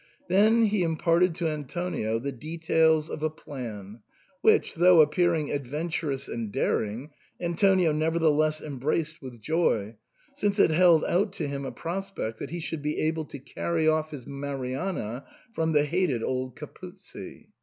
Then he imparted to Antonio the details of a plan, which, though appearing adventurous and daring, An tonio nevertheless embraced with joy, since it held out to him a prospect that he should be able to carry off his Marianna from the hated old Capuzzi.